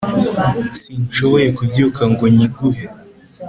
sinshoboye kubyuka ngo nyiguhe.